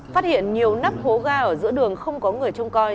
phát hiện nhiều nắp hố ga ở giữa đường không có người trông coi